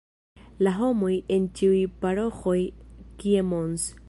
La homoj en ĉiuj paroĥoj, kie Mons.